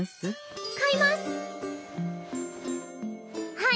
はい。